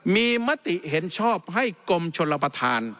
มีมติเห็นชอบให้กรมชนรับประทาน